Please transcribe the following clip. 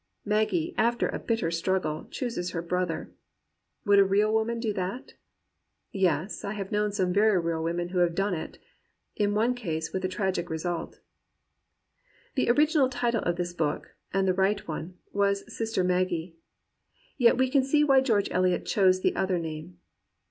Maggie, after a bitter struggle, chooses her brother. Would a real woman do that.^ Yes, I have known some very real women who have done it, in one case with a tragic result. The original title of this book (and the right one) was Sister Maggie. Yet we can see why George Eliot chose the other name.